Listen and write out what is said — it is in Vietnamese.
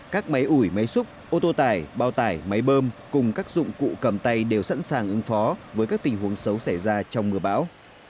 các máy ủi máy xúc ô tô tải bao tải máy bơm cùng các dụng cụ cầm tay đều sẵn sàng ứng phó với các tình huống xấu xảy ra trong mưa bão